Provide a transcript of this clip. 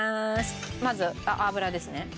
まず油ですね。